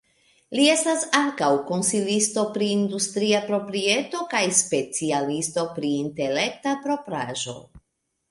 Li estas ankaŭ konsilisto pri industria proprieto, kaj specialisto pri Intelekta propraĵo.